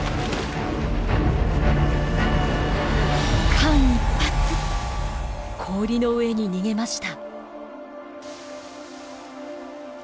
間一髪氷の上に逃げました。